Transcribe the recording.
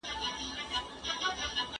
ولي سياست تل سوله یيز مشرتوب نه وي؟